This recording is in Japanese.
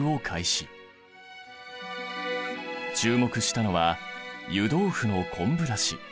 注目したのは湯豆腐の昆布だし。